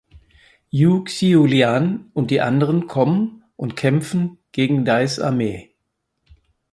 Yu Xiu Lian und die anderen kommen und kämpfen gegen Dais Armee.